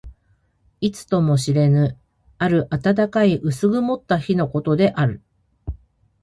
いつとも知れぬ、ある暖かい薄曇った日のことである。